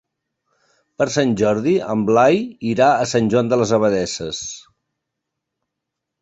Per Sant Jordi en Blai irà a Sant Joan de les Abadesses.